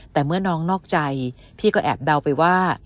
แต่เมื่อน้องนอกใจพี่ก็แอบเดาไปว่า